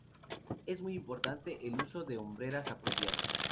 Es muy importante el uso de unas hombreras apropiadas.